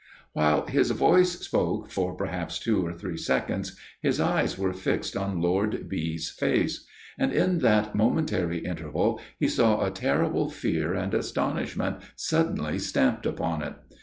"While his voice spoke for perhaps two or three seconds, his eyes were fixed on Lord B.'s face, and in that momentary interval he saw a terrible fear and astonishment suddenly stamped upon it.